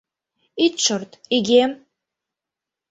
Ит шорт, игем!